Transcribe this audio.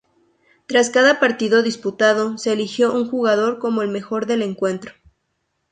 Tras cada partido disputado, se eligió un jugador como el mejor del encuentro.